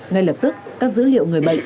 ngay lập tức các dữ liệu người bệnh